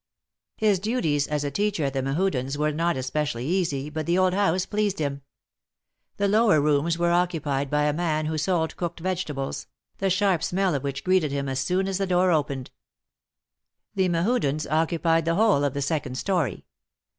His duties as a teacher at the Mehudens' were not especially easy, but the old house. pleased him. The lower rooms were occupied by a man who sold cooked vegetables, the sharp smell of which greeted him as soon as the door opened. The Mehudens occupied the whole of the second story.